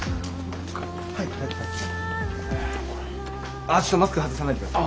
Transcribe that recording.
ああちょっとマスク外さないでください。